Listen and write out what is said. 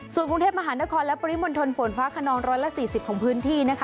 ส่วนกรุงเทพมหานครและปริมณฑลฝนฟ้าขนอง๑๔๐ของพื้นที่นะคะ